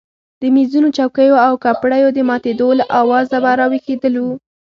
د مېزونو چوکیو او کپړیو د ماتېدو له آوازه به راویښېدلو.